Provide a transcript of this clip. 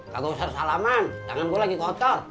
kau usah salaman jangan gua lagi kotor